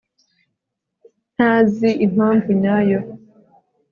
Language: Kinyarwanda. Ntazi impamvu nyayo